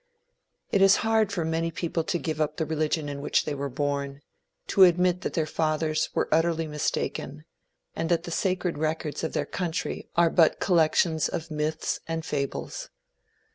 It is hard for many people to give up the religion in which they were born; to admit that their fathers were utterly mistaken, and that the sacred records of their country are but collections of myths and fables.